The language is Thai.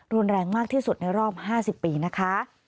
รุนแรงมากที่สุดในรอบ๕๐ปีนะคะ